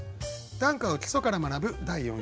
短歌を基礎から学ぶ第４週。